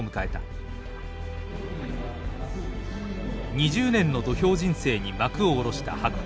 ２０年の土俵人生に幕を下ろした白鵬。